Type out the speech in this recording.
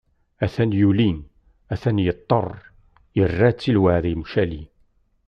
Atan yuli, atan yeṭṭer, yerra-tt i lweɛd ucali.